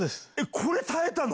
これ耐えたの？